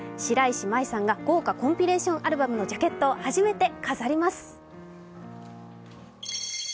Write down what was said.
白石麻衣さんが豪華コンピレーションアルバムのジャケットを初めて飾ります。